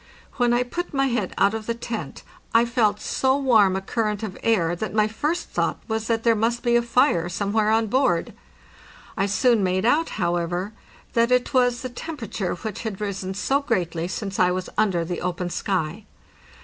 When I put my head out of the tent I felt so warm a current of air that my first thought was that there must be fire somewhere on board. I soon made out, however, that it was the temperature which had risen so greatly since I was under the open sky.